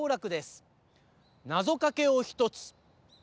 なぞかけをひとつ。